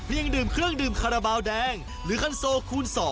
ยังดื่มเครื่องดื่มคาราบาลแดงหรือคันโซคูณ๒